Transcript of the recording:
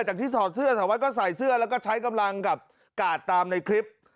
จากที่ถอดเสื้อสาววัดก็ใส่เสื้อแล้วก็ใช้กำลังกับกาดตามในคลิป